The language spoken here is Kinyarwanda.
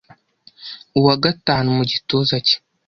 uwa gatanu mu gituza cye